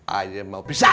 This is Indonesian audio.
ayah mau pisah